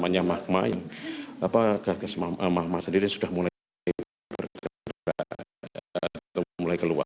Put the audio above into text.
maknya mahma yang apa gas mahma sendiri sudah mulai bergerak atau mulai keluar